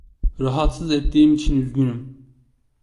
Rahatsız ettiğim için üzgünüm.